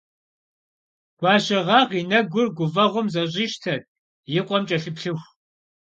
Гуащэгъагъ и нэгур гуфӀэгъуэм зэщӀищтэт и къуэм кӀэлъыплъыху.